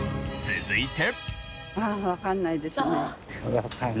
続いて。